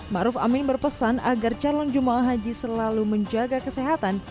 ma'ruf amin berpesan agar calon jum'ah haji selalu menjaga kesehatan